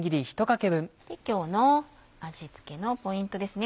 今日の味付けのポイントですね